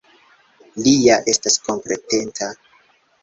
Li ja estas kompetenta!